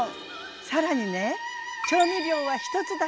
更にね調味料は１つだけ！